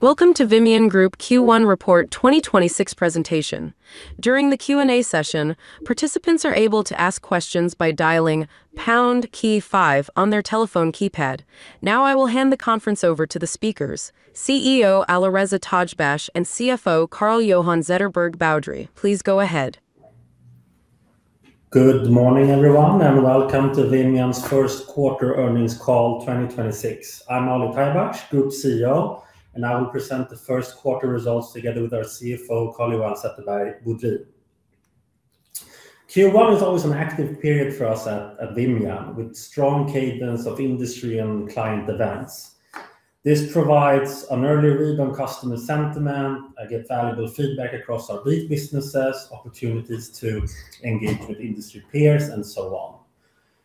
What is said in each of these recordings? Welcome to Vimian Group Q1 Report 2026 presentation. During the Q&A session, participants are able to ask questions by dialing pound key five on their telephone keypad. I will hand the conference over to the speakers, CEO Alireza Tajbakhsh and CFO Carl-Johan Zetterberg Boudrie. Please go ahead. Good morning, everyone, welcome to Vimian's first quarter earnings call 2026. I'm Alireza Tajbakhsh, Group CEO, and I will present the first quarter results together with our CFO, Carl-Johan Zetterberg Boudrie. Q1 is always an active period for us at Vimian, with strong cadence of industry and client events. This provides an early read on customer sentiment. I get valuable feedback across our big businesses, opportunities to engage with industry peers and so on.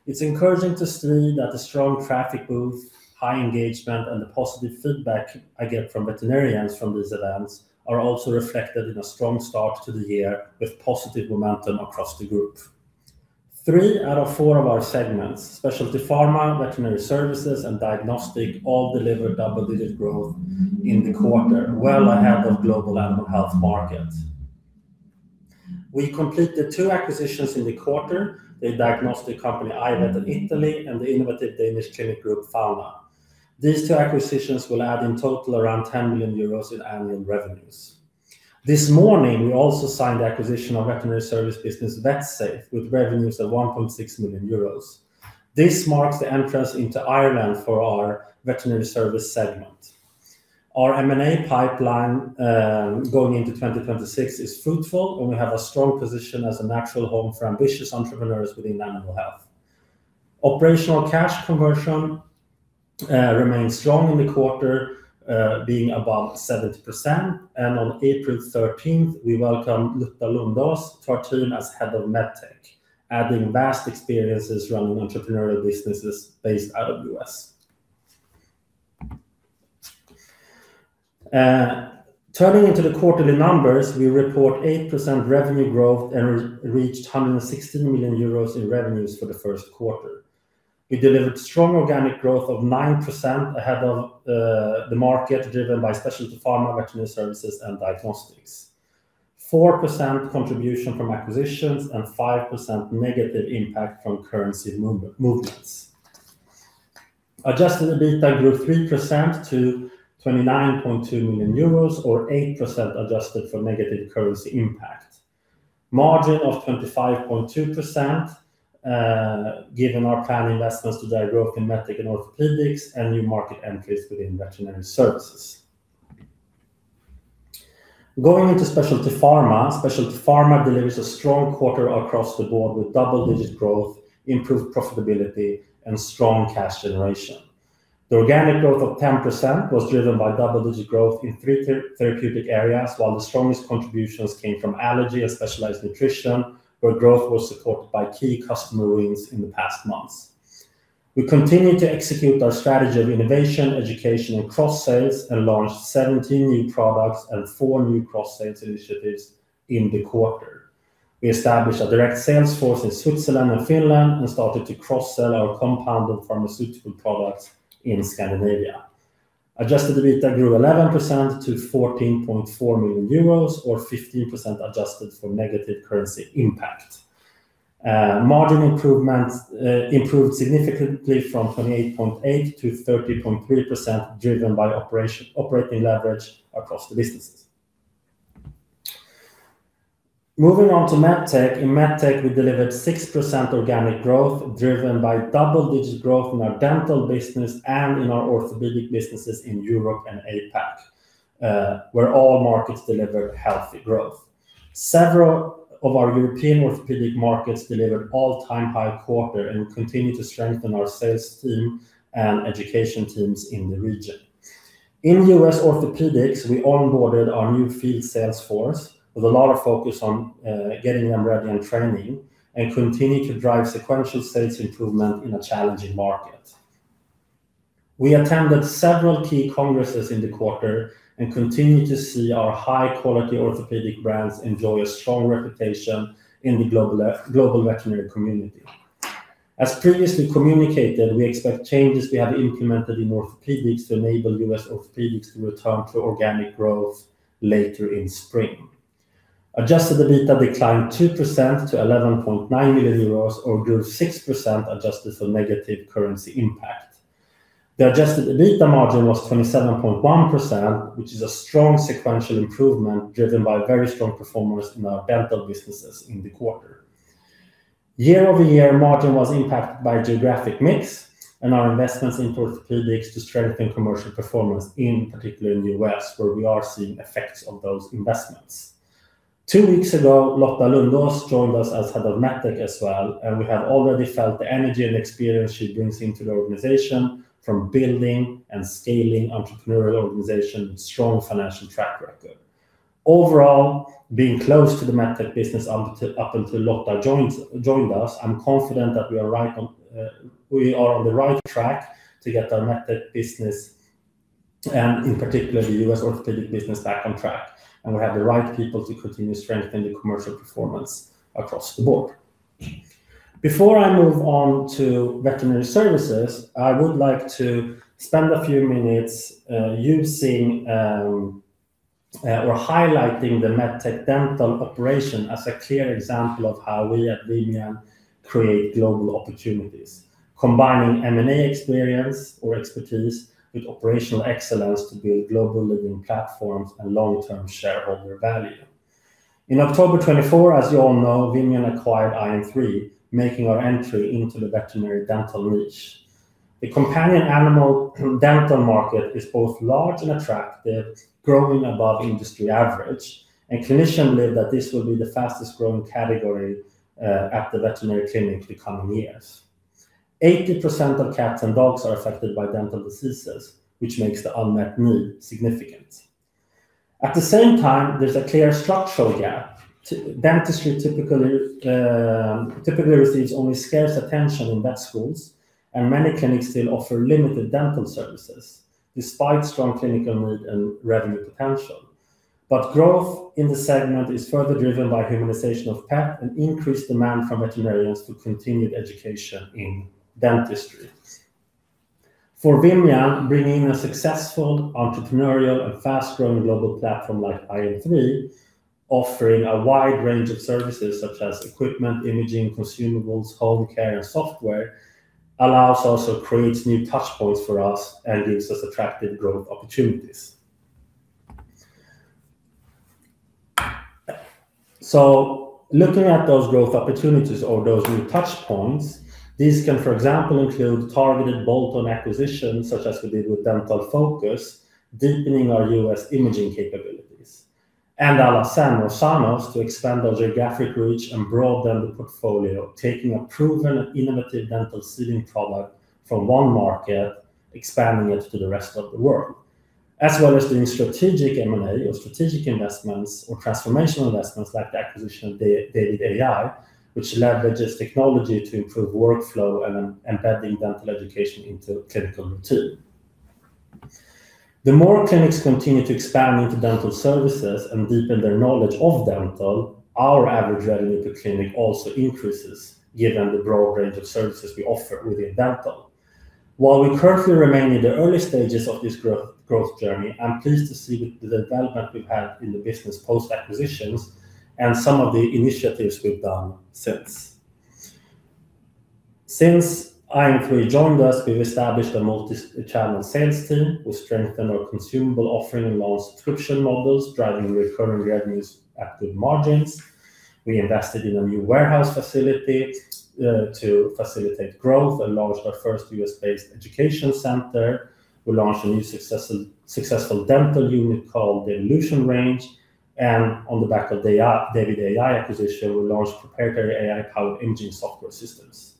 It's encouraging to see that the strong traffic booth, high engagement, and the positive feedback I get from veterinarians from these events are also reflected in a strong start to the year with positive momentum across the group. Three out of four of our segments, Specialty Pharma, Veterinary Services, and Diagnostics all delivered double-digit growth in the quarter, well ahead of global animal health market. We completed two acquisitions in the quarter, the diagnostic company, I-Vet in Italy, and the innovative Danish clinic group, Fauna. These two acquisitions will add in total around 10 million euros in annual revenues. This morning, we also signed the acquisition of veterinary service business, VetSafe, with revenues of 1.6 million euros. This marks the entrance into Ireland for our Veterinary Services segment. Our M&A pipeline going into 2026 is fruitful, and we have a strong position as a natural home for ambitious entrepreneurs within animal health. Operational cash conversion remains strong in the quarter, being above 70%. On April 13th, we welcome Lotta Lundaas to our team as Head of MedTech, adding vast experiences running entrepreneurial businesses based out of the U.S. Turning into the quarterly numbers, we report 8% revenue growth and reached 116 million euros in revenues for the first quarter. We delivered strong organic growth of 9% ahead of the market, driven by Specialty Pharma, Veterinary Services, and Diagnostics. 4% contribution from acquisitions and 5% negative impact from currency movements. Adjusted EBITDA grew 3% to 29.2 million euros or 8% adjusted for negative currency impact. Margin of 25.2% given our planned investments to drive growth in MedTech and orthopedics and new market entries within Veterinary Services. Going into Specialty Pharma, Specialty Pharma delivers a strong quarter across the board with double-digit growth, improved profitability, and strong cash generation. The organic growth of 10% was driven by double-digit growth in three therapeutic areas, while the strongest contributions came from allergy and specialized nutrition, where growth was supported by key customer wins in the past months. We continue to execute our strategy of innovation, education, and cross-sales and launched 17 new products and four new cross-sales initiatives in the quarter. We established a direct sales force in Switzerland and Finland and started to cross-sell our compounded pharmaceutical products in Scandinavia. Adjusted EBITDA grew 11% to 14.4 million euros or 15% adjusted for negative currency impact. Margin improvements improved significantly from 28.8%-30.3% driven by operating leverage across the businesses. Moving on to MedTech. In MedTech, we delivered 6% organic growth driven by double-digit growth in our dental business and in our orthopedic businesses in Europe and APAC, where all markets delivered healthy growth. Several of our European orthopedic markets delivered all-time high quarter and will continue to strengthen our sales team and education teams in the region. In U.S. Orthopedics, we onboarded our new field sales force with a lot of focus on getting them ready and training and continue to drive sequential sales improvement in a challenging market. We attended several key congresses in the quarter and continue to see our high-quality orthopedic brands enjoy a strong reputation in the global veterinary community. As previously communicated, we expect changes we have implemented in orthopedics to enable U.S. Orthopedics to return to organic growth later in spring. Adjusted EBITDA declined 2% to 11.9 million euros or grew 6% adjusted for negative currency impact. The Adjusted EBITDA margin was 27.1%, which is a strong sequential improvement driven by very strong performance in our dental businesses in the quarter. Year-over-year margin was impacted by geographic mix and our investments in orthopedics to strengthen commercial performance, in particular in the U.S., where we are seeing effects of those investments. Two weeks ago, Lotta Lundaas joined us as Head of MedTech as well, and we have already felt the energy and experience she brings into the organization from building and scaling entrepreneurial organization with strong financial track record. Overall, being close to the MedTech business up until Lotta joined us, I'm confident that we are on the right track to get our MedTech business and in particular the U.S. Orthopedic business back on track, and we have the right people to continue to strengthen the commercial performance across the board. Before I move on to Veterinary Services, I would like to spend a few minutes using or highlighting the MedTech dental operation as a clear example of how we at Vimian create global opportunities. Combining M&A experience or expertise with operational excellence to build global living platforms and long-term shareholder value. In October 2024, as you all know, Vimian acquired iM3, making our entry into the veterinary dental niche. The companion animal dental market is both large and attractive, growing above industry average. Clinicians believe that this will be the fastest growing category at the veterinary clinic in the coming years. 80% of cats and dogs are affected by dental diseases, which makes the unmet need significant. At the same time, there's a clear structural gap. Dentistry typically receives only scarce attention in vet schools, and many clinics still offer limited dental services despite strong clinical need and revenue potential. Growth in the segment is further driven by humanization of pet and increased demand from veterinarians to continued education in dentistry. For Vimian, bringing a successful entrepreneurial and fast-growing global platform like iM3, offering a wide range of services such as equipment, imaging, consumables, home care and software, allows us or creates new touch points for us and gives us attractive growth opportunities. Looking at those growth opportunities or those new touch points, these can, for example, include targeted bolt-on acquisitions such as we did with Dental Focus, deepening our U.S. imaging capabilities, and à la Sanos to expand our geographic reach and broaden the portfolio, taking a proven and innovative dental sealing product from one market, expanding it to the rest of the world. As well as doing strategic M&A or strategic investments or transformational investments like the acquisition of D.A.V.I.D. AI, which leverages technology to improve workflow and embedding dental education into clinical routine. The more clinics continue to expand into dental services and deepen their knowledge of dental, our average revenue per clinic also increases given the broad range of services we offer within dental. While we currently remain in the early stages of this growth journey, I'm pleased to see the development we've had in the business post-acquisitions and some of the initiatives we've done since. Since iM3 joined us, we've established a multi-channel sales team. We strengthened our consumable offering and launched subscription models, driving recurring revenues at good margins. We invested in a new warehouse facility to facilitate growth and launched our first U.S.-based education center. We launched a new successful dental unit called the Illusion Range. On the back of the D.A.V.I.D. AI acquisition, we launched proprietary AI-powered imaging software systems.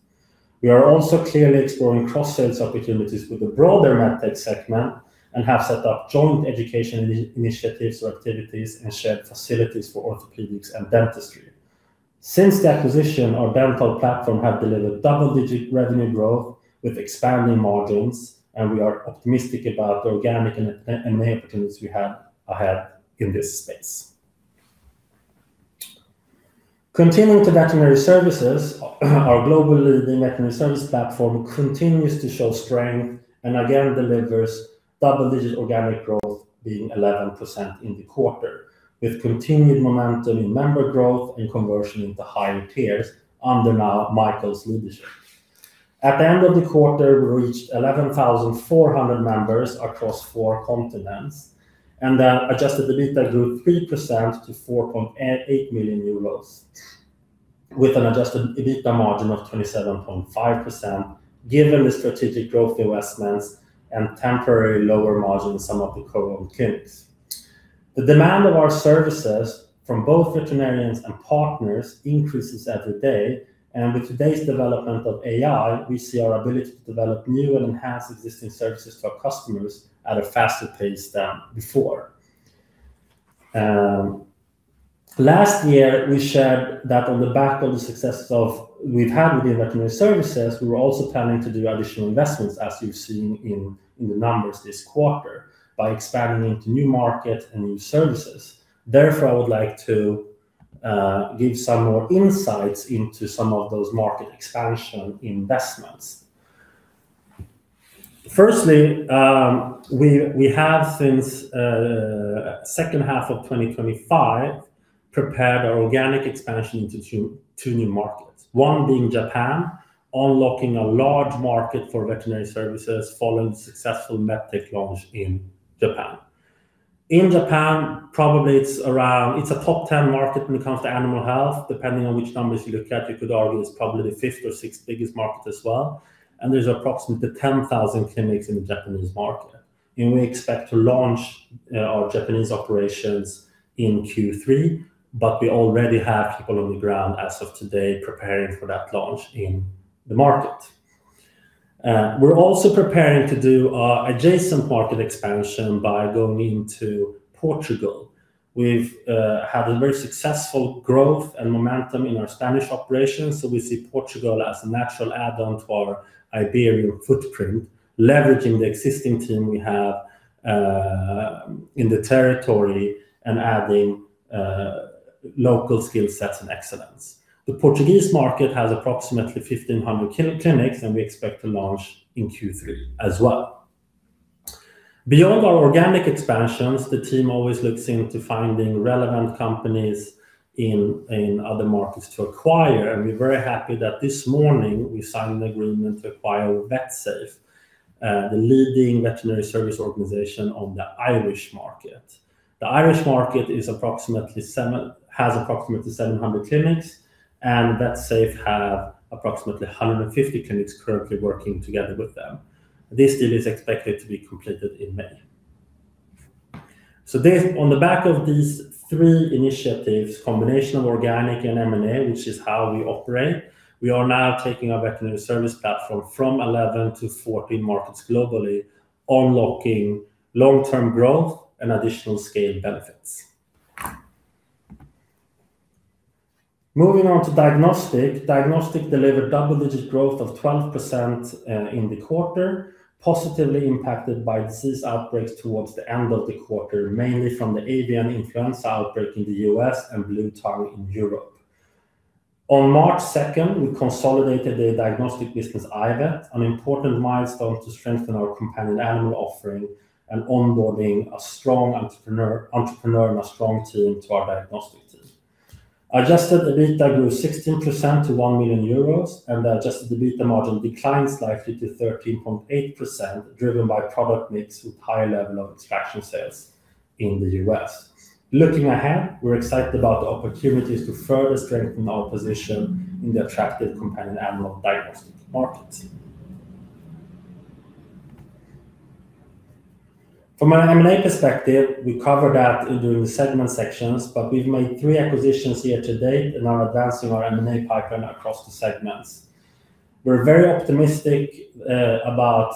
We are also clearly exploring cross-sales opportunities with the broader MedTech segment and have set up joint education initiatives or activities and shared facilities for orthopedics and dentistry. Since the acquisition, our dental platform have delivered double-digit revenue growth with expanding margins. We are optimistic about the organic and M&A opportunities we have ahead in this space. Continuing to Veterinary Services, our global leading Veterinary Services platform continues to show strength and again delivers double-digit organic growth, being 11% in the quarter, with continued momentum in member growth and conversion into higher tiers under now Michael's leadership. At the end of the quarter, we reached 11,400 members across four continents. Adjusted EBITDA grew 3% to 4.8 million euros with an Adjusted EBITDA margin of 27.5%, given the strategic growth investments and temporary lower margin in some of the co-owned clinics. The demand of our services from both veterinarians and partners increases every day, and with today's development of AI, we see our ability to develop new and enhance existing services to our customers at a faster pace than before. Last year, we shared that on the back of the successes we've had with the veterinary services, we were also planning to do additional investments, as you've seen in the numbers this quarter, by expanding into new markets and new services. I would like to give some more insights into some of those market expansion investments. Firstly, we have since second half of 2025 prepared our organic expansion into two new markets, one being Japan, unlocking a large market for veterinary services following the successful MedTech launch in Japan. In Japan, probably it's a top 10 market when it comes to animal health. Depending on which numbers you look at, you could argue it's probably the fifth or sixth biggest market as well. There's approximately 10,000 clinics in the Japanese market. We expect to launch our Japanese operations in Q3, but we already have people on the ground as of today preparing for that launch in the market. We're also preparing to do adjacent market expansion by going into Portugal. We've had a very successful growth and momentum in our Spanish operations. We see Portugal as a natural add-on to our Iberian footprint, leveraging the existing team we have in the territory and adding local skill sets and excellence. The Portuguese market has approximately 1,500 clinics. We expect to launch in Q3 as well. Beyond our organic expansions, the team always looks into finding relevant companies in other markets to acquire. We're very happy that this morning we signed an agreement to acquire VetSafe, the leading veterinary service organization on the Irish market. The Irish market has approximately 700 clinics, and VetSafe have approximately 150 clinics currently working together with them. This deal is expected to be completed in May. On the back of these three initiatives, combination of organic and M&A, which is how we operate, we are now taking our Veterinary Services platform from 11 to 14 markets globally, unlocking long-term growth and additional scale benefits. Moving on to Diagnostics. Diagnostics delivered double-digit growth of 12% in the quarter, positively impacted by disease outbreaks towards the end of the quarter, mainly from the avian influenza outbreak in the U.S. and bluetongue in Europe. On March 2, we consolidated the Diagnostics business, I-Vet, an important milestone to strengthen our companion animal offering and onboarding a strong entrepreneur and a strong team to our Diagnostics team. Adjusted EBITA grew 16% to 1 million euros, and the Adjusted EBITA margin declined slightly to 13.8%, driven by product mix with high level of extraction sales in the U.S. Looking ahead, we're excited about the opportunities to further strengthen our position in the attractive companion animal Diagnostics markets. From an M&A perspective, we covered that during the segment sections, but we've made three acquisitions year-to-date and are advancing our M&A pipeline across the segments. We're very optimistic about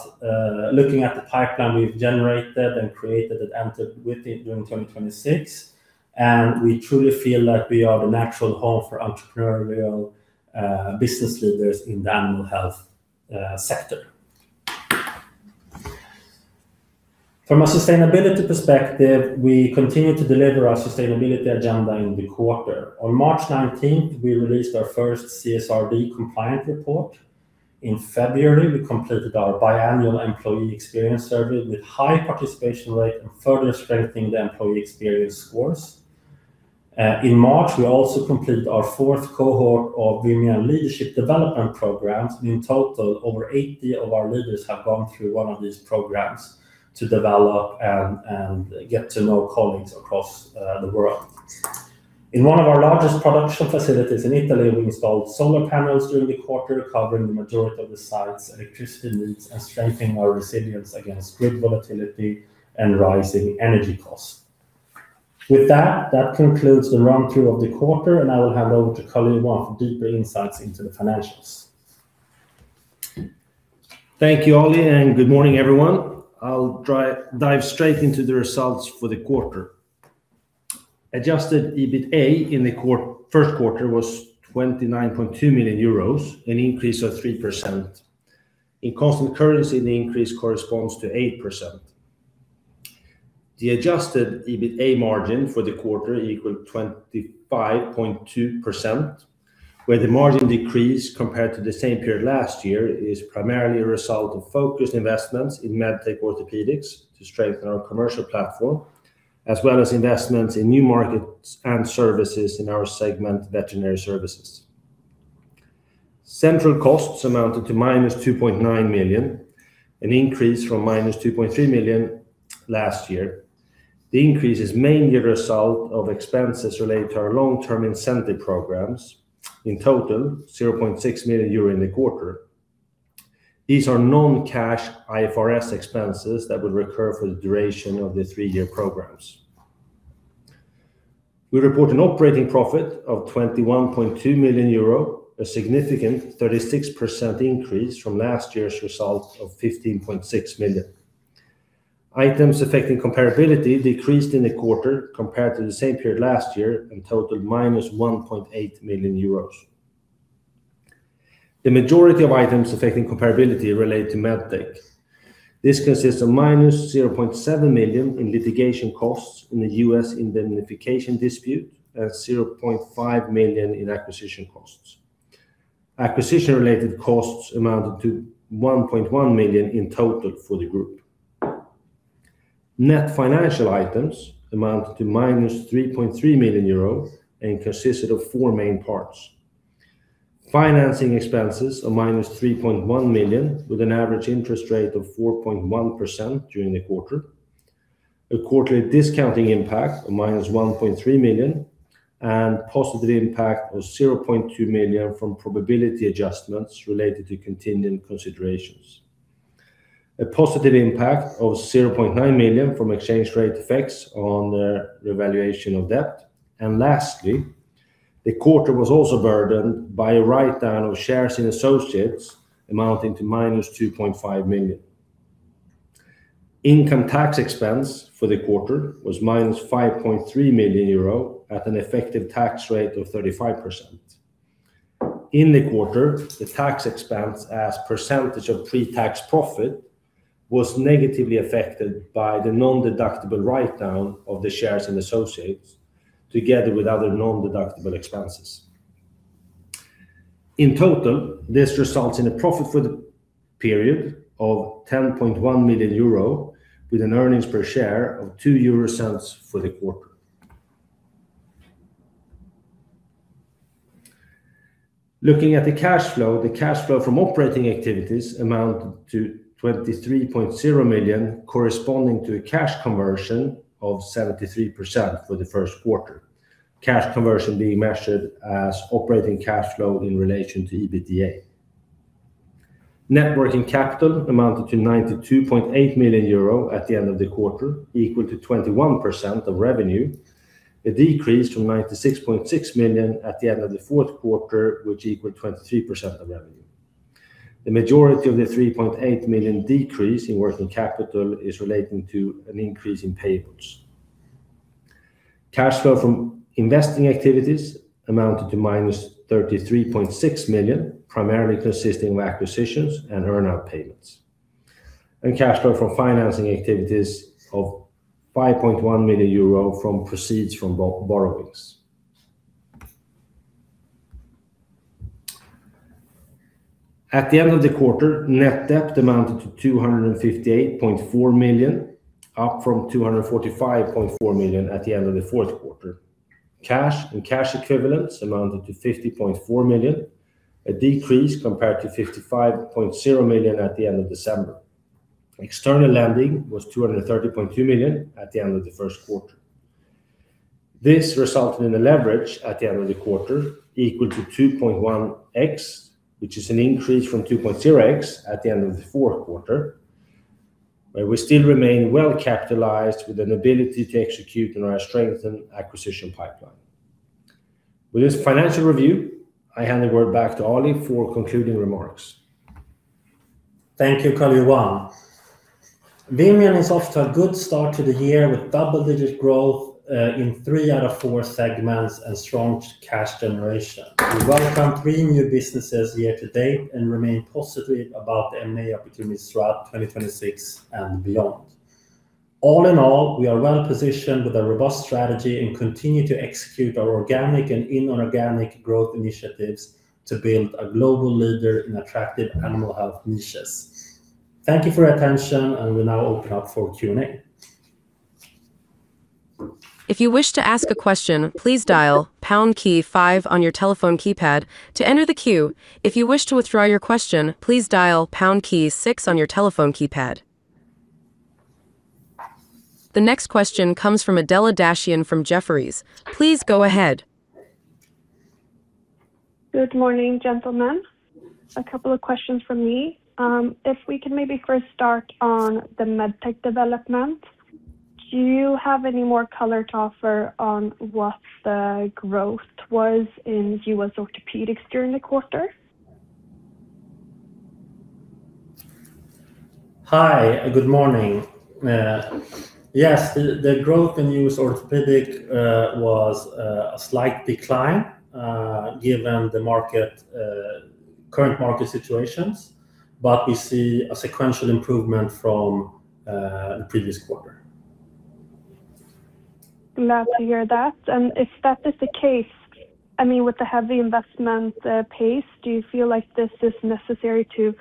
looking at the pipeline we've generated and created and entered with it during 2026, and we truly feel like we are the natural home for entrepreneurial business leaders in the animal health sector. From a sustainability perspective, we continue to deliver our sustainability agenda in the quarter. On March 19th, we released our first CSRD compliant report. In February, we completed our biannual employee experience survey with high participation rate and further strengthening the employee experience scores. In March, we also completed our fourth cohort of Vimian Leadership Development Programs. In total, over 80 of our leaders have gone through one of these programs to develop and get to know colleagues across the world. In one of our largest production facilities in Italy, we installed solar panels during the quarter, covering the majority of the site's electricity needs and strengthening our resilience against grid volatility and rising energy costs. With that concludes the run-through of the quarter, and I will hand over to Carl-Johan for deeper insights into the financials. Thank you, Ali, and good morning, everyone. I'll dive straight into the results for the quarter. Adjusted EBITA in the first quarter was 29.2 million euros, an increase of 3%. In constant currency, the increase corresponds to 8%. The Adjusted EBITA margin for the quarter equaled 25.2%, where the margin decrease compared to the same period last year is primarily a result of focused investments in MedTech Orthopedics to strengthen our commercial platform, as well as investments in new markets and services in our segment Veterinary Services. Central costs amounted to -2.9 million, an increase from -2.3 million last year. The increase is mainly a result of expenses related to our long-term incentive programs, in total 0.6 million euro in the quarter. These are non-cash IFRS expenses that would recur for the duration of the three-year programs. We report an operating profit of 21.2 million euro, a significant 36% increase from last year's result of 15.6 million. Items affecting comparability decreased in the quarter compared to the same period last year and totaled -1.8 million euros. The majority of items affecting comparability relate to MedTech. This consists of -0.7 million in litigation costs in the U.S. indemnification dispute and 0.5 million in acquisition costs. Acquisition-related costs amounted to 1.1 million in total for the group. Net financial items amounted to -3.3 million euros and consisted of four main parts. Financing expenses of -3.1 million, with an average interest rate of 4.1% during the quarter. A quarterly discounting impact of -1.3 million, and positive impact of 0.2 million from probability adjustments related to contingent considerations. A positive impact of 0.9 million from exchange rate effects on the revaluation of debt. Lastly, the quarter was also burdened by a write-down of shares in associates amounting to -2.5 million. Income tax expense for the quarter was -5.3 million euro at an effective tax rate of 35%. In the quarter, the tax expense as percentage of pre-tax profit was negatively affected by the non-deductible write-down of the shares in associates together with other non-deductible expenses. In total, this results in a profit for the period of 10.1 million euro, with an earnings per share of 0.02 for the quarter. Looking at the cash flow, the cash flow from operating activities amounted to 23.0 million, corresponding to a cash conversion of 73% for the first quarter. Cash conversion being measured as operating cash flow in relation to EBITDA. Net working capital amounted to 92.8 million euro at the end of the quarter, equal to 21% of revenue. A decrease from 96.6 million at the end of the fourth quarter, which equaled 23% of revenue. The majority of the 3.8 million decrease in working capital is relating to an increase in payables. Cash flow from investing activities amounted to -33.6 million, primarily consisting of acquisitions and earn-out payments. Cash flow from financing activities of 5.1 million euro from proceeds from borrowings. At the end of the quarter, net debt amounted to 258.4 million, up from 245.4 million at the end of the fourth quarter. Cash and cash equivalents amounted to 50.4 million, a decrease compared to 55.0 million at the end of December. External lending was 230.2 million at the end of the first quarter. This resulted in a leverage at the end of the quarter equal to 2.1x, which is an increase from 2.0x at the end of the fourth quarter, where we still remain well-capitalized with an ability to execute on our strengthened acquisition pipeline. With this financial review, I hand the word back to Ali for concluding remarks. Thank you, Carl-Johan. Vimian is off to a good start to the year with double-digit growth in three out of four segments and strong cash generation. We welcome three new businesses year to date and remain positive about M&A opportunities throughout 2026 and beyond. All in all, we are well-positioned with a robust strategy and continue to execute our organic and inorganic growth initiatives to build a global leader in attractive animal health niches. Thank you for your attention, and we now open up for Q&A. If you wish to ask aquestion please dial pound key five on your telephone keypad to enter the queue. If you wish to withdraw your question please dial pound key six on your telephone keypad. The next question comes from Adela Dashian from Jefferies. Please go ahead. Good morning, gentlemen. A couple of questions from me. If we could maybe first start on the MedTech development. Do you have any more color to offer on what the growth was in U.S. Orthopedics during the quarter? Hi, good morning. Yes, the growth in U.S. orthopedic was a slight decline given the market current market situations, but we see a sequential improvement from the previous quarter. Glad to hear that. If that is the case, I mean, with the heavy investment pace, do you feel like this is necessary to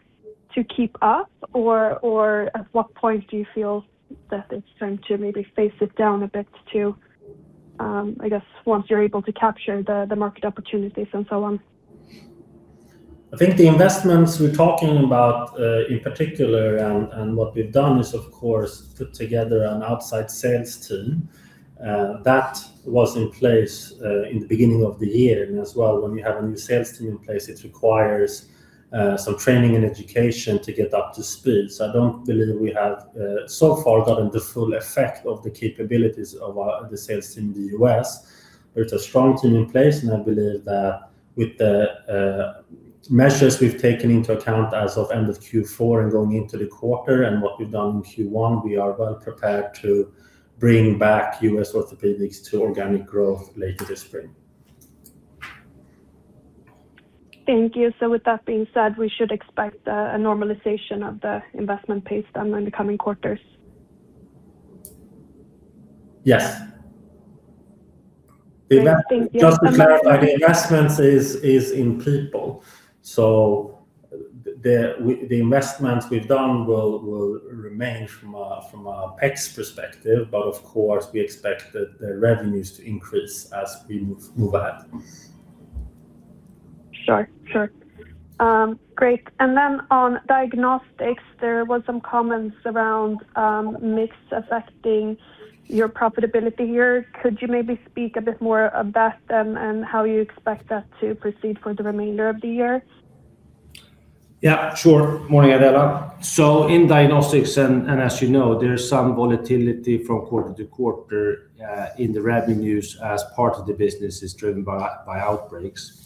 keep up? Or, or at what point do you feel that it's time to maybe phase it down a bit to, I guess once you're able to capture the market opportunities and so on? I think the investments we're talking about, in particular and what we've done is, of course, put together an outside sales team. That was in place in the beginning of the year. As well, when you have a new sales team in place, it requires some training and education to get up to speed. I don't believe we have so far gotten the full effect of the capabilities of our sales team in the U.S. There's a strong team in place, and I believe that with the measures we've taken into account as of end of Q4 and going into the quarter and what we've done in Q1, we are well prepared to bring back U.S. Orthopedics to organic growth later this spring. Thank you. With that being said, we should expect a normalization of the investment pace then in the coming quarters? Yes. Great. Thank you. Just to clarify, the investments is in people. The investments we've done will remain from a OPEX perspective, but of course, we expect the revenues to increase as we move ahead. Sure, sure. Great. Then on Diagnostics, there were some comments around mix affecting your profitability here. Could you maybe speak a bit more of that and how you expect that to proceed for the remainder of the year? Yeah, sure. Morning, Adela. In Diagnostics, and as you know, there's some volatility from quarter to quarter in the revenues as part of the business is driven by outbreaks.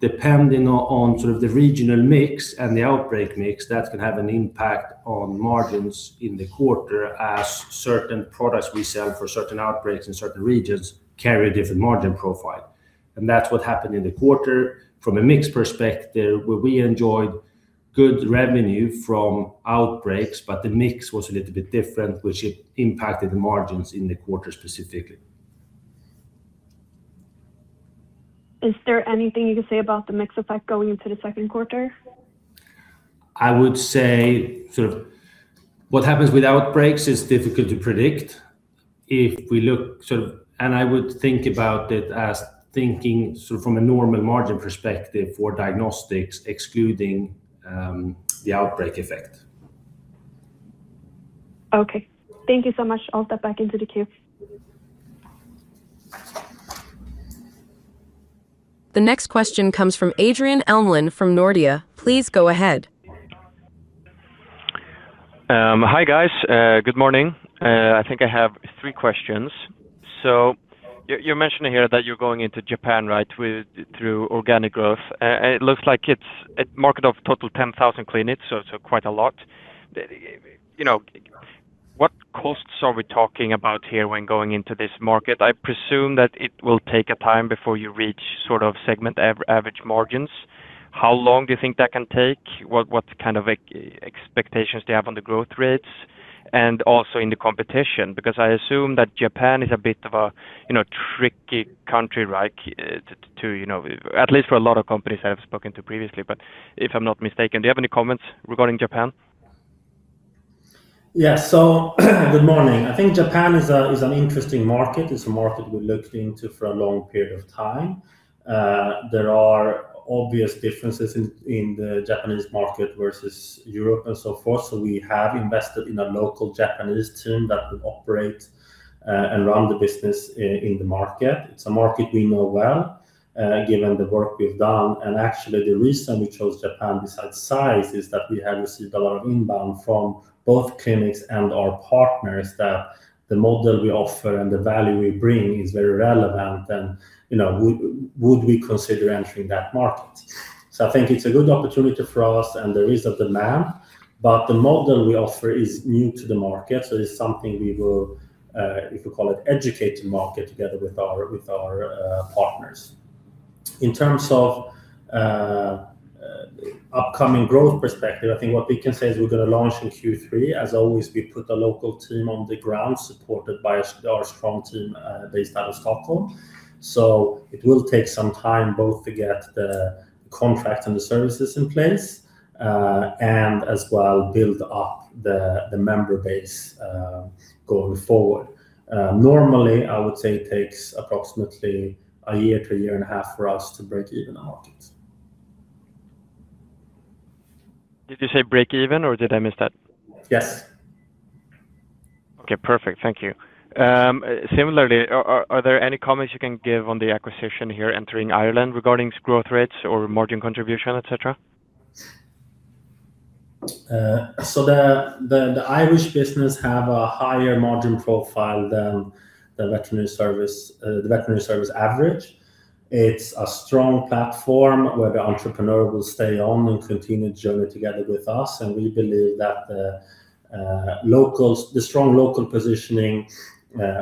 Depending on sort of the regional mix and the outbreak mix, that can have an impact on margins in the quarter as certain products we sell for certain outbreaks in certain regions carry a different margin profile. That's what happened in the quarter. From a mix perspective, where we enjoyed Good revenue from outbreaks, but the mix was a little bit different, which it impacted the margins in the quarter specifically. Is there anything you can say about the mix effect going into the second quarter? I would say sort of what happens with outbreaks is difficult to predict. If we look sort of, I would think about it as thinking sort of from a normal margin perspective for Diagnostics, excluding the outbreak effect. Okay. Thank you so much. I'll step back into the queue. The next question comes from Adrian Elmlund from Nordea. Please go ahead. Hi, guys. Good morning. I think I have three questions. You're mentioning here that you're going into Japan, right, with, through organic growth. It looks like it's a market of total 10,000 clinics, so quite a lot. You know, what costs are we talking about here when going into this market? I presume that it will take a time before you reach sort of segment average margins. How long do you think that can take? What kind of expectations do you have on the growth rates and also in the competition? Because I assume that Japan is a bit of a, you know, tricky country, right? Do you have any comments regarding Japan? Good morning. I think Japan is an interesting market. It's a market we looked into for a long period of time. There are obvious differences in the Japanese market versus Europe and so forth. We have invested in a local Japanese team that will operate and run the business in the market. It's a market we know well, given the work we've done. Actually, the reason we chose Japan besides size is that we have received a lot of inbound from both clinics and our partners that the model we offer and the value we bring is very relevant and, you know, would we consider entering that market. I think it's a good opportunity for us, and there is a demand, but the model we offer is new to the market. It's something we will, if you call it, educate the market together with our, with our partners. In terms of upcoming growth perspective, I think what we can say is we're gonna launch in Q3. As always, we put a local team on the ground supported by our strong team based out of Stockholm. It will take some time both to get the contract and the services in place, and as well build up the member base going forward. Normally, I would say it takes approximately a year to a year and a half for us to break even on the market. Did you say break even, or did I miss that? Yes. Okay, perfect. Thank you. Similarly, are there any comments you can give on the acquisition here entering Ireland regarding growth rates or margin contribution, et cetera? The Irish business have a higher margin profile than the Veterinary Service average. It's a strong platform where the entrepreneur will stay on and continue the journey together with us, and we believe that the strong local positioning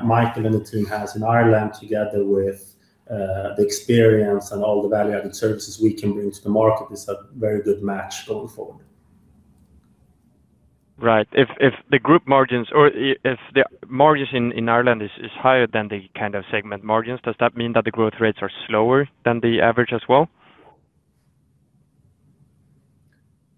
Michael and the team has in Ireland together with the experience and all the value-added services we can bring to the market is a very good match going forward. Right. If the group margins or if the margins in Ireland is higher than the kind of segment margins, does that mean that the growth rates are slower than the average as well?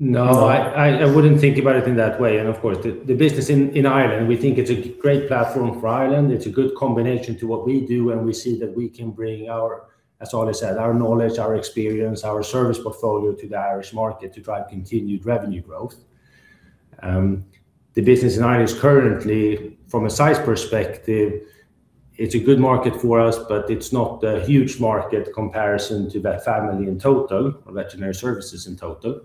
No, I wouldn't think about it in that way. Of course, the business in Ireland, we think it's a great platform for Ireland. It's a good combination to what we do, and we see that we can bring our, as Ali said, our knowledge, our experience, our service portfolio to the Irish market to drive continued revenue growth. The business in Ireland is currently from a size perspective, it's a good market for us, but it's not a huge market comparison to VetFamily in total or Veterinary Services in total.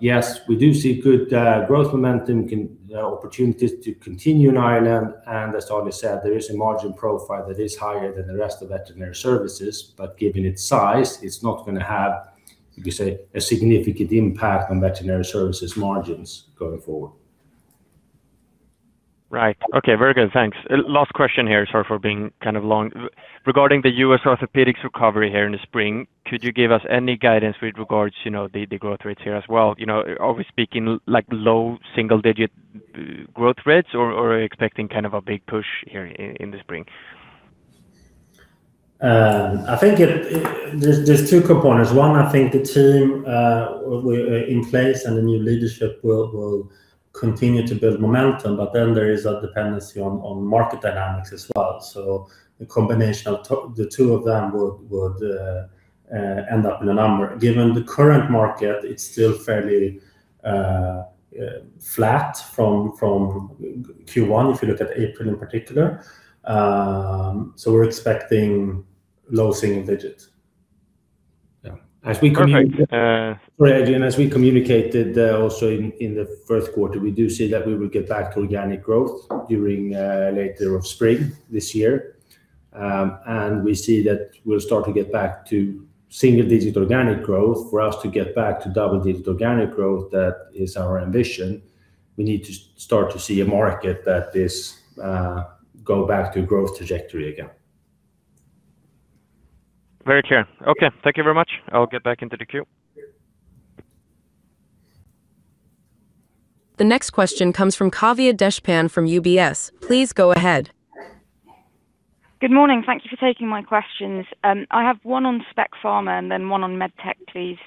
Yes, we do see good growth momentum opportunities to continue in Ireland. As Ali said, there is a margin profile that is higher than the rest of Veterinary Services, but given its size, it is not going to have, you could say, a significant impact on Veterinary Services margins going forward. Right. Okay. Very good. Thanks. Last question here. Sorry for being kind of long. Regarding the U.S. Orthopedics recovery here in the spring, could you give us any guidance with regards, you know, the growth rates here as well? You know, are we speaking like low single-digit growth rates or expecting kind of a big push here in the spring? I think There's two components. One, I think the team we're in place, and the new leadership will continue to build momentum. There is a dependency on market dynamics as well. The combination of top, the two of them would end up in a number. Given the current market, it's still fairly flat from Q1, if you look at April in particular. We're expecting low single digits. Yeah. Perfect. Sorry, Adrian. As we communicated, also in the first quarter, we do see that we will get back to organic growth during later of spring this year. We see that we'll start to get back to single-digit organic growth. For us to get back to double-digit organic growth, that is our ambition. We need to start to see a market that is go back to growth trajectory again. Very clear. Okay. Thank you very much. I'll get back into the queue. The next question comes from Kavya Deshpande from UBS. Please go ahead. Good morning. Thank you for taking my questions. I have one on Specialty Pharma and one on MedTech, please.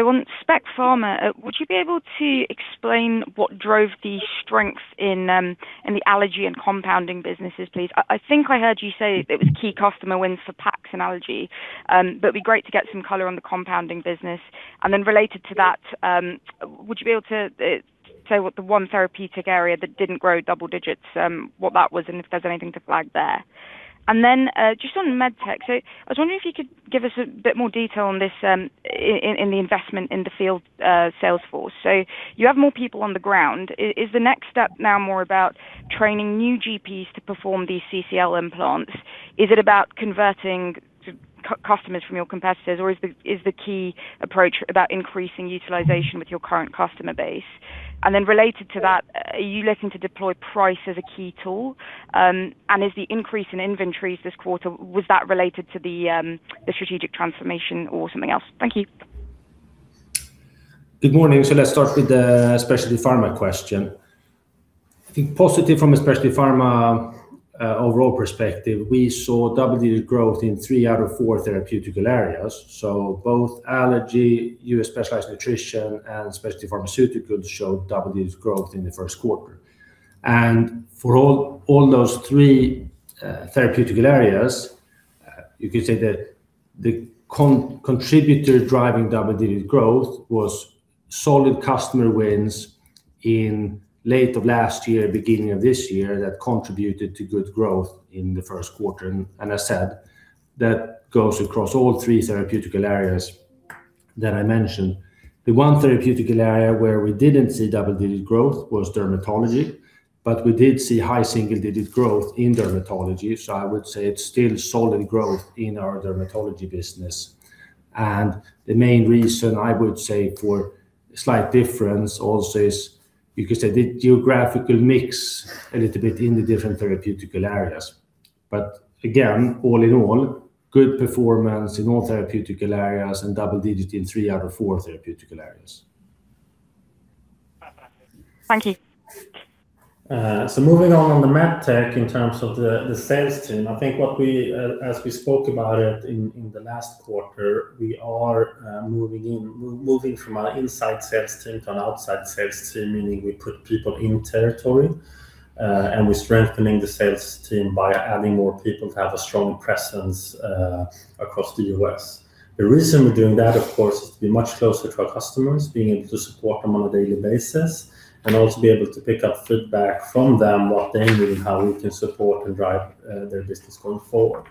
On Specialty Pharma, would you be able to explain what drove the strength in the allergy and compounding businesses, please? I think I heard you say that it was key customer wins for PAX and allergy. It would be great to get some color on the compounding business. Related to that, would you be able to say what the one therapeutic area that didn't grow double digits, what that was, and if there's anything to flag there? Just on MedTech. I was wondering if you could give us a bit more detail on this investment in the field sales force. You have more people on the ground. Is the next step now more about training new GPs to perform these CCL implants? Is it about converting customers from your competitors, or is the key approach about increasing utilization with your current customer base? Related to that, are you looking to deploy price as a key tool? Is the increase in inventories this quarter, was that related to the strategic transformation or something else? Thank you. Good morning. Let's start with the Specialty Pharma question. I think positive from a Specialty Pharma overall perspective, we saw double-digit growth in three out of four therapeutical areas. Both allergy, U.S. specialized nutrition, and specialty pharmaceuticals showed double-digit growth in the first quarter. For all those three therapeutical areas, you could say that the contributor driving double-digit growth was solid customer wins in late last year, beginning of this year, that contributed to good growth in the first quarter. As I said, that goes across all three therapeutical areas that I mentioned. The one therapeutical area where we didn't see double-digit growth was dermatology, but we did see high single-digit growth in dermatology. I would say it's still solid growth in our dermatology business. The main reason I would say for slight difference also is because they did geographical mix a little bit in the different therapeutical areas. Again, all in all, good performance in all therapeutical areas and double digit in three out of four therapeutical areas. Fantastic. Thank you. Moving on the MedTech in terms of the sales team. I think what we, as we spoke about it in the last quarter, we are moving from our inside sales team to an outside sales team, meaning we put people in territory, and we're strengthening the sales team by adding more people to have a strong presence across the U.S. The reason we're doing that, of course, is to be much closer to our customers, being able to support them on a daily basis, and also be able to pick up feedback from them, what they need, and how we can support and drive their business going forward.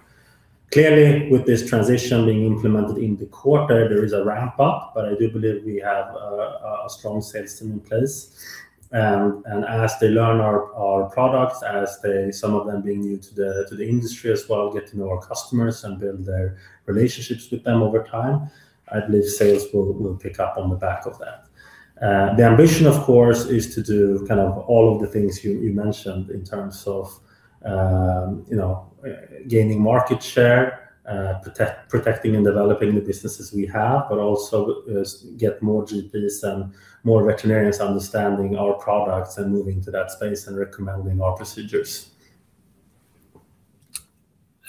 Clearly, with this transition being implemented in the quarter, there is a ramp up. I do believe we have a strong sales team in place. As they learn our products, as they, some of them being new to the industry as well, get to know our customers and build their relationships with them over time, I believe sales will pick up on the back of that. The ambition, of course, is to do kind of all of the things you mentioned in terms of, you know, gaining market share, protecting and developing the businesses we have, but also, is get more GPs and more veterinarians understanding our products and moving to that space and recommending our procedures.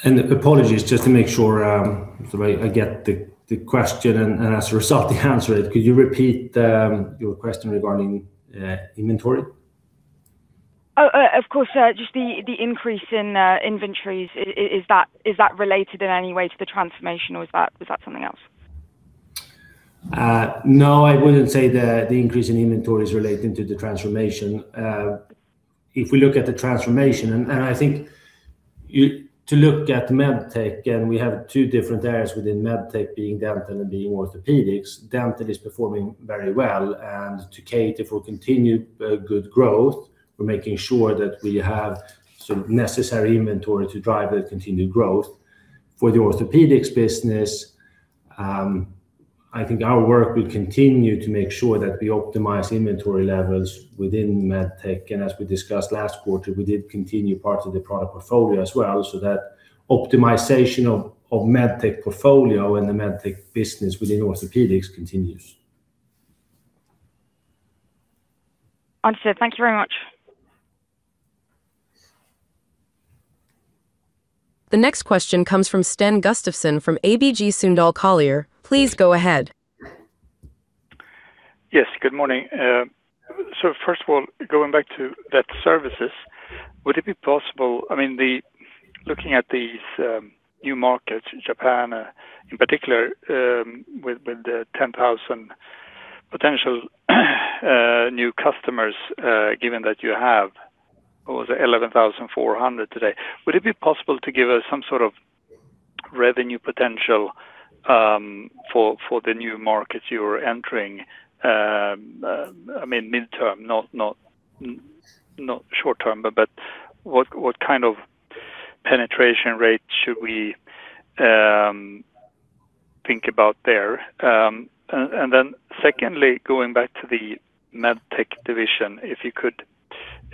Apologies, just to make sure, if I get the question and as a result, the answer it. Could you repeat your question regarding inventory? Of course, sir. Just the increase in inventories. Is that related in any way to the transformation, or is that something else? No, I wouldn't say the increase in inventory is relating to the transformation. I think to look at MedTech, we have two different areas within MedTech, being dental and being orthopedics. Dental is performing very well. To cater for continued good growth, we're making sure that we have sort of necessary inventory to drive the continued growth. For the orthopedics business, I think our work will continue to make sure that we optimize inventory levels within MedTech. As we discussed last quarter, we did continue parts of the product portfolio as well. That optimization of MedTech portfolio and the MedTech business within orthopedics continues. Understood. Thank you very much. The next question comes from Sten Gustafsson from ABG Sundal Collier. Please go ahead. Yes. Good morning. First of all, going back to that services, would it be possible? I mean, looking at these new markets in Japan in particular, with the 10,000 potential new customers, given that you have, what was it, 11,400 today. Would it be possible to give us some sort of revenue potential for the new markets you're entering? I mean, midterm, not short-term, but what kind of penetration rate should we think about there. And then secondly, going back to the MedTech division, if you could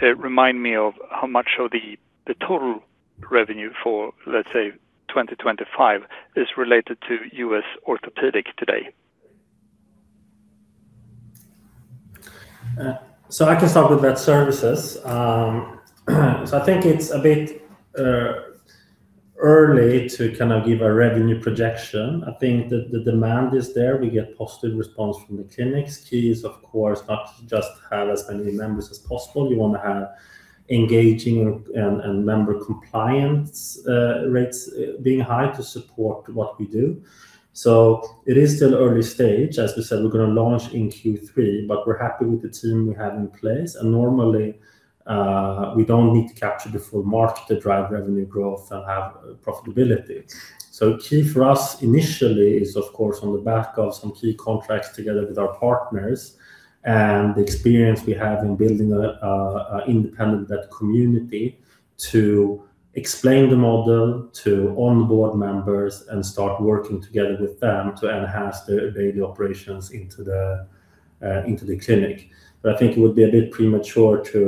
remind me of how much of the total revenue for, let's say, 2025 is related to U.S. Orthopedic today? I can start with that Veterinary Services. I think it's a bit, kind of, early to give a revenue projection. I think the demand is there. We get positive response from the clinics. Key is, of course, not to just have as many members as possible. You want to have engaging and member compliance rates being high to support what we do. It is still early stage. As we said, we're going to launch in Q3, but we're happy with the team we have in place. Normally, we don't need to capture the full market to drive revenue growth and have profitability. Key for us initially is, of course, on the back of some key contracts together with our partners and the experience we have in building a independent vet community to explain the model to onboard members and start working together with them to enhance their daily operations into the clinic. I think it would be a bit premature to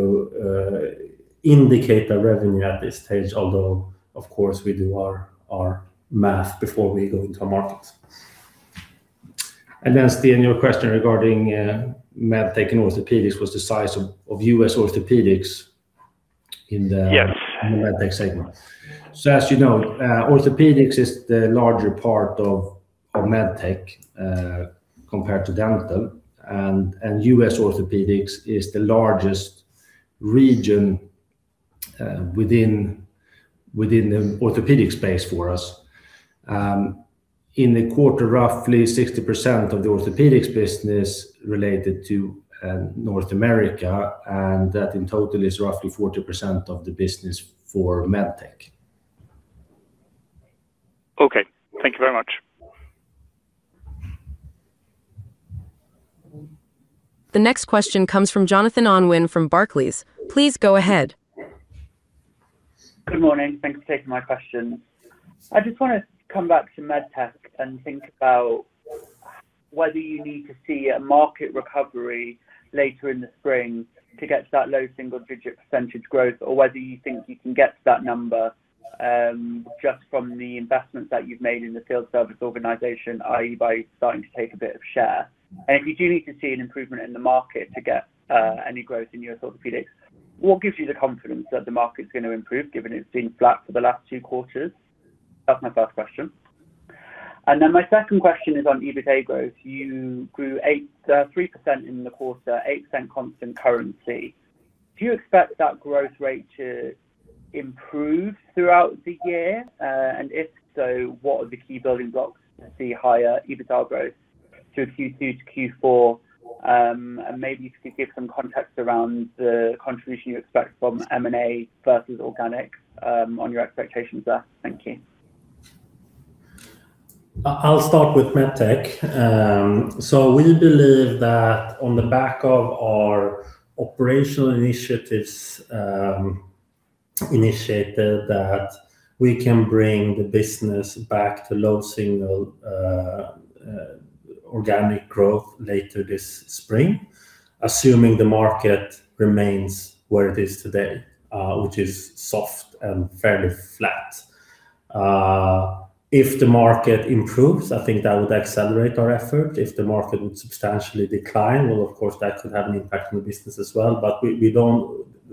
indicate the revenue at this stage, although, of course, we do our math before we go into a market. Sten, your question regarding MedTech and Orthopedics was the size of U.S. Orthopedics in the... Yeah In the MedTech segment. As you know, Orthopedics is the larger part of MedTech compared to Dental. U.S. Orthopedics is the largest region within the Orthopedic space for us. In the quarter, roughly 60% of the Orthopedics business related to North America, and that in total is roughly 40% of the business for MedTech. Okay. Thank you very much. The next question comes from Jonathon Unwin from Barclays. Please go ahead. Good morning. Thanks for taking my question. I just wanna come back to MedTech and think about whether you need to see a market recovery later in the spring to get to that low single-digit percentage growth, or whether you think you can get to that number just from the investments that you've made in the field service organization, i.e., by starting to take a bit of share. If you do need to see an improvement in the market to get any growth in U.S. Orthopedics, what gives you the confidence that the market's gonna improve, given it's been flat for the last two quarters? That's my first question. My second question is on EBITA growth. You grew 3% in the quarter, 8% constant currency. Do you expect that growth rate to improve throughout the year? If so, what are the key building blocks to see higher EBITA growth through Q2 to Q4? Maybe if you could give some context around the contribution you expect from M&A versus organic on your expectations there. Thank you. I'll start with MedTech. We believe that on the back of our operational initiatives, initiated, that we can bring the business back to low single organic growth later this spring, assuming the market remains where it is today, which is soft and fairly flat. If the market improves, I think that would accelerate our effort. If the market would substantially decline, well, of course, that could have an impact on the business as well.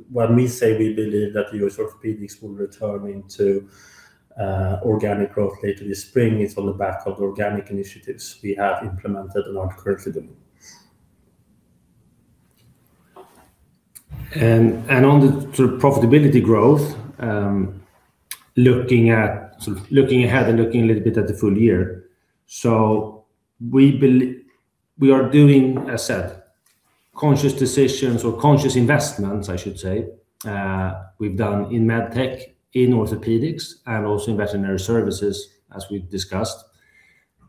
When we say we believe that U.S. Orthopedics will return into organic growth later this spring, it's on the back of organic initiatives we have implemented and are confident. On the sort of profitability growth, looking ahead and looking a little bit at the full year, we are doing, as said, conscious decisions or conscious investments, I should say, we've done in MedTech, in Orthopedics, and also in Veterinary Services, as we've discussed.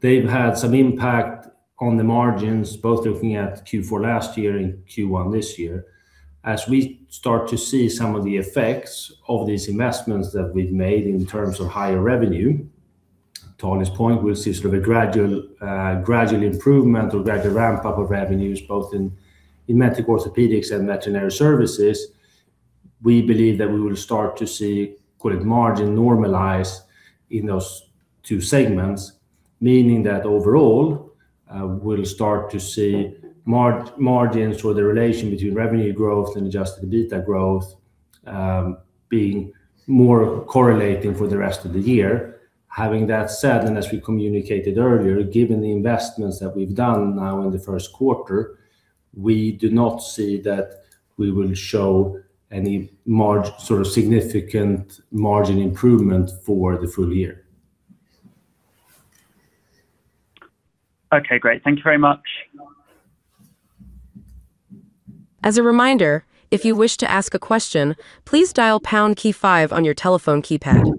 They've had some impact on the margins, both looking at Q4 last year and Q1 this year. As we start to see some of the effects of these investments that we've made in terms of higher revenue, to Ali's point, we'll see sort of a gradual improvement or gradual ramp up of revenues, both in MedTech Orthopedics and Veterinary Services. We believe that we will start to see, call it margin normalize in those two segments, meaning that overall, we'll start to see margins for the relation between revenue growth and Adjusted EBITDA growth, being more correlating for the rest of the year. Having that said, and as we communicated earlier, given the investments that we've done now in the first quarter, we do not see that we will show any sort of significant margin improvement for the full year. Okay, great. Thank you very much. As a reminder, if you wish to ask a question, please dial pound key five on your telephone keypad.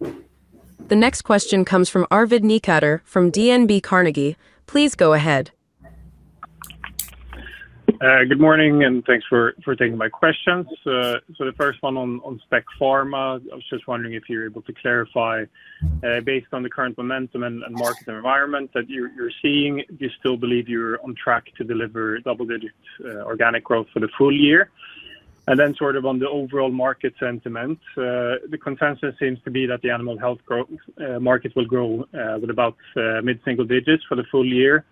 The next question comes from Arvid Necander from DNB Carnegie. Please go ahead Good morning, thanks for taking my questions. The first one on Specialty Pharma, I was just wondering if you're able to clarify, based on the current momentum and market environment that you're seeing, do you still believe you're on track to deliver double-digit organic growth for the full year? Sort of on the overall market sentiment, the consensus seems to be that the animal health market will grow with about mid-single digits for the full year.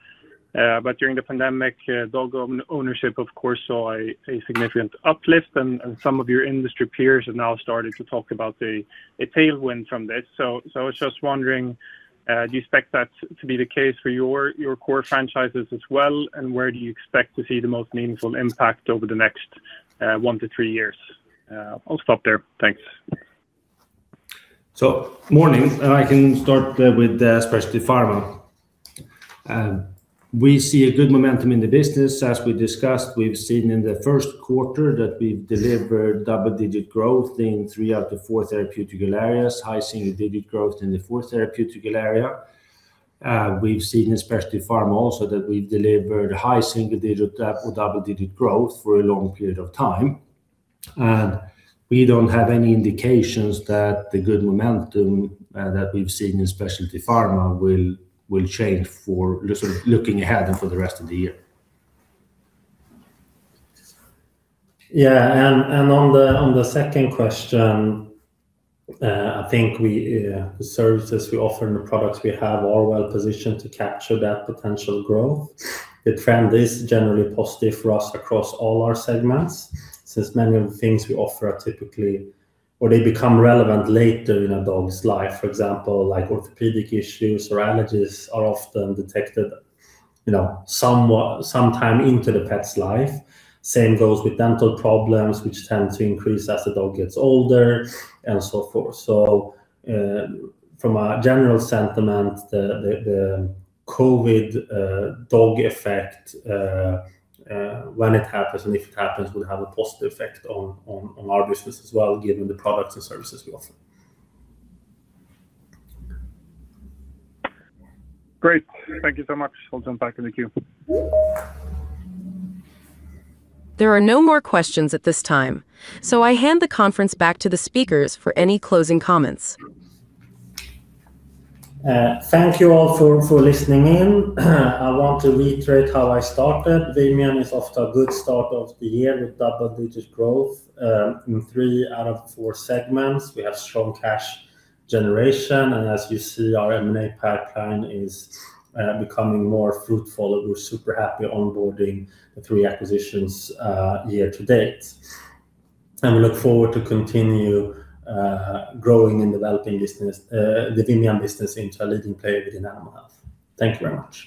During the pandemic, dog ownership, of course, saw a significant uplift and some of your industry peers have now started to talk about a tailwind from this. I was just wondering, do you expect that to be the case for your core franchises as well, and where do you expect to see the most meaningful impact over the next one to three years? I'll stop there. Thanks. Morning, I can start with Specialty Pharma. We see a good momentum in the business. As we discussed, we've seen in the first quarter that we've delivered double-digit growth in three out of four therapeutic areas, high single-digit growth in the fourth therapeutic area. We've seen in Specialty Pharma also that we've delivered high single-digit or double-digit growth for a long period of time. We don't have any indications that the good momentum that we've seen in Specialty Pharma will change for sort of looking ahead and for the rest of the year. On the second question, I think we, the services we offer and the products we have are well-positioned to capture that potential growth. The trend is generally positive for us across all our segments, since many of the things we offer are typically, or they become relevant later in a dog's life. For example, like orthopedic issues or allergies are often detected, you know, somewhat, sometime into the pet's life. Same goes with dental problems, which tend to increase as the dog gets older, and so forth. From a general sentiment, the COVID dog effect, when it happens, and if it happens, will have a positive effect on our business as well, given the products and services we offer. Great. Thank you so much. I'll jump back in the queue. There are no more questions at this time. I hand the conference back to the speakers for any closing comments. Thank you all for listening in. I want to reiterate how I started. Vimian is off to a good start of the year with double-digit growth in three out of four segments. We have strong cash generation. As you see, our M&A pipeline is becoming more fruitful. We're super happy onboarding the three acquisitions year to date. We look forward to continue growing and developing business, the Vimian business into a leading player within animal health. Thank you very much.